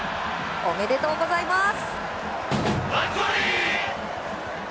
おめでとうございます。